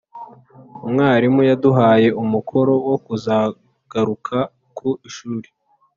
Umwarimu yaduhaye umukoro wo kuzagaruka ku ishuri